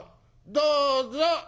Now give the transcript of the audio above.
「どうぞ」。